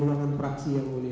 di ruangan peraksi yang mulia